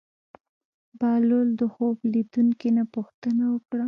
بهلول د خوب لیدونکي نه پوښتنه وکړه.